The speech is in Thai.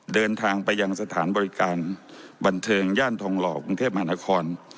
เดินทางไปยังสถานบริการบันเทิงย่านทองหล่อกรุงเทพมหานคร